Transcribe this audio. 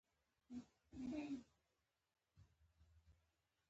د چلند اختیار کول ستاسو په لاس کې دي.